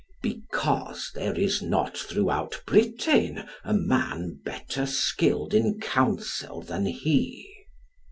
"Because there is not throughout Britain a man better skilled in counsel than he."